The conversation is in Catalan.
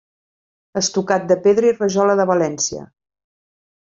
Estucat de pedra i rajola de València.